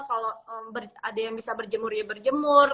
kalau ada yang bisa berjemur ya berjemur